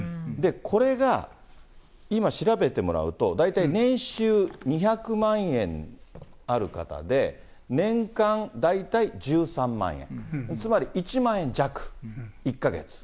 これが今調べてもらうと、大体、年収２００万円ある方で、年間大体１３万円、つまり１万円弱、１か月。